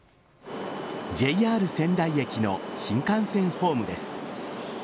仙台駅の新幹線ホームです。